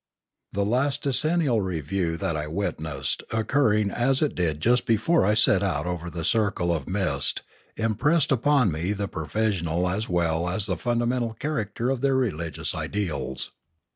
The last decennial review that I witnessed, occur ring as it did just before I set out over the circle of mist, impressed upon me the provisional as well as the fundamental character of their religious ideals.